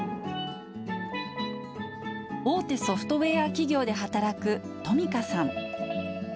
大手ソフトウエア企業で働くトミカさん。